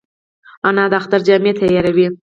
انا د اختر جامې تیاروي